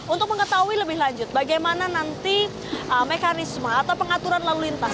untuk mengetahui lebih lanjut bagaimana nanti mekanisme atau pengaturan lalu lintas